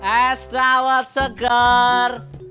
es dawat segar